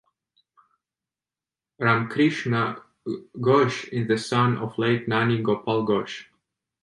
Ramkrishna Ghosh is the son of Late Nani Gopal Ghosh.